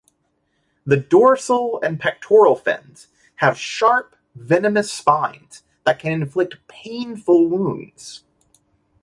The dorsal and pectoral fins have sharp, venomous spines that can inflict painful wounds.